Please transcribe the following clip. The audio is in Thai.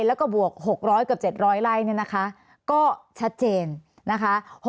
แล้วก็บวก๖๐๐เกือบ๗๐๐ไร่เนี่ยนะคะก็ชัดเจนนะคะ